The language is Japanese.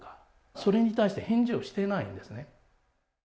それに対して返事をしてないんですね。